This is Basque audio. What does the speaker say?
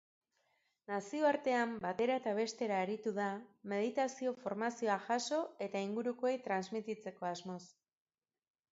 Nazioartean batera eta bestera aritu da meditazio formazioa jaso eta ingurukoei transmititzeko asmoz.